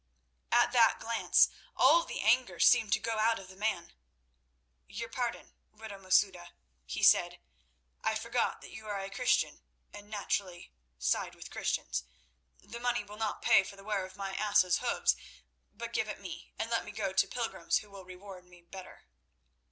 At that glance all the anger seemed to go out of the man. "Your pardon, widow Masouda," he said. "I forgot that you are a Christian, and naturally side with Christians. The money will not pay for the wear of my ass's hoofs, but give it me, and let me go to pilgrims who will reward me better."